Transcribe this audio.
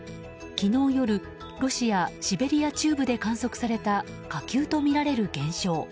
昨日夜、ロシア・シベリア中部で観測された火球とみられる現象。